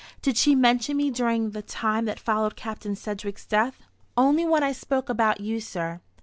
"Did she mention me during the time that followed Captain Sedgewick's death?" "Only when I spoke about you, sir.